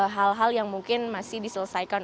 hal hal yang mungkin masih diselesaikan